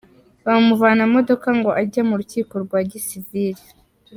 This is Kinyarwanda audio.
Bamuvana mu modoka ngo ajye mu rukiko rwa gisiviri.